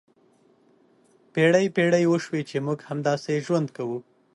پېړۍ پېړۍ وشوې چې موږ همداسې ژوند کوو.